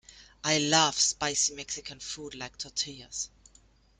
I love spicy Mexican food like tortillas.